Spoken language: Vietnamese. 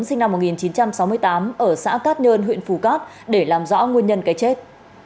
sinh năm một nghìn chín trăm sáu mươi tám ở xã cát nhơn huyện phù cát để làm rõ nguyên nhân cây chết